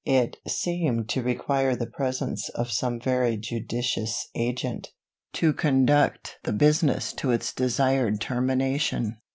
It seemed to require the presence of some very judicious agent, to conduct the business to its desired termination.